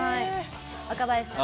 若林さん